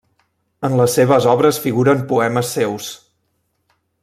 En les seves obres figuren poemes seus.